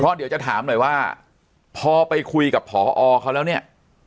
เดี๋ยวจะถามหน่อยว่าพอไปคุยกับพอเขาแล้วเนี่ย